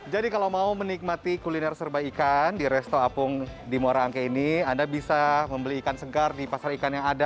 jadi kalau mau menikmati kuliner serba ikan di resto apung di muara anke ini anda bisa membeli ikan segar di pasar ikan yang ada